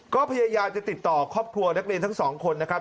ก็พยายามจะติดต่อครอบครัวนักเรียนทั้งสองคนนะครับ